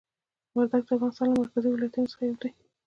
وردګ د افغانستان له مرکزي ولایتونو څخه یو دی.